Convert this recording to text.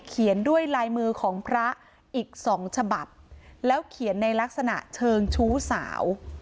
เขียนด้วยลายมือของพระอีกสองฉบับแล้วเขียนในลักษณะเชิงชู้สาว